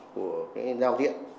của giao diện